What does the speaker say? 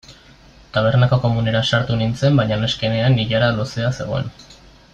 Tabernako komunera sartu nintzen baina neskenean ilara luzea zegoen.